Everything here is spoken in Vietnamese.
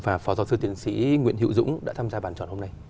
và tiến sĩ nguyễn hữu dũng đã tham gia bàn tròn hôm nay